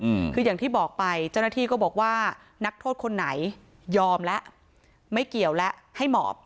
อืมคืออย่างที่บอกไปเจ้าหน้าที่ก็บอกว่านักโทษคนไหนยอมแล้วไม่เกี่ยวแล้วให้หมอบ